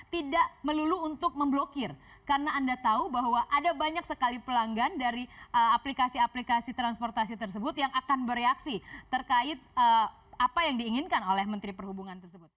tidak melulu untuk memblokir karena anda tahu bahwa ada banyak sekali pelanggan dari aplikasi aplikasi transportasi tersebut yang akan bereaksi terkait apa yang diinginkan oleh menteri perhubungan tersebut